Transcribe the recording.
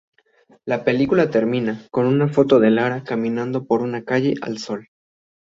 La película termina con una foto de Lara caminando por una calle al sol.